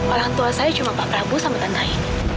orang tua saya cuma pak prabu sama tantai